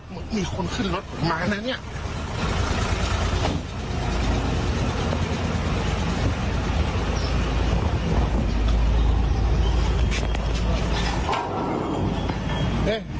มีคนขึ้นรถผมมานะเนี่ย